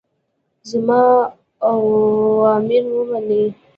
زما اوامر ومنئ.